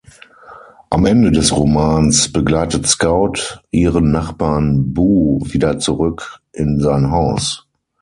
Am Ende des Romans begleitet Scout ihren Nachbarn Boo wieder zurück in sein Haus.